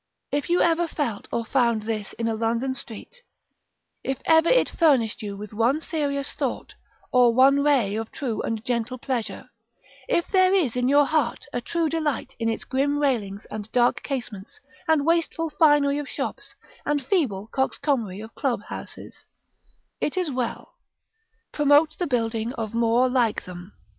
If ever you felt or found this in a London Street, if ever it furnished you with one serious thought, or one ray of true and gentle pleasure, if there is in your heart a true delight in its grim railings and dark casements, and wasteful finery of shops, and feeble coxcombry of club houses, it is well: promote the building of more like them.